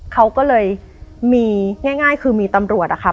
เขาก็เลยมีง่ายคือมีตำรวจอะค่ะ